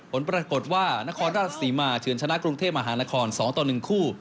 ผลปรากฏว่านครราชศรีมาเฉินชนะกรุงเทพมหานคร๒ต่อ๑คู่